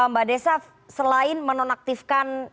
mbak desa selain menonaktifkan